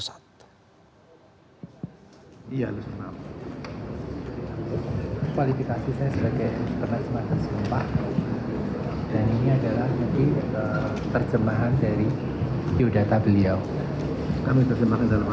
sampai jumpa di sampai jumpa